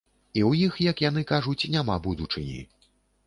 І ў іх, як яны кажуць, няма будучыні.